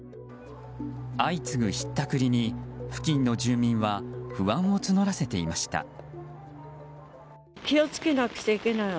相次ぐひったくりに付近の住民は不安を募らせていました。